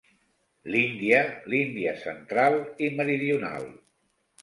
L'Índia, l'Índia central i meridional.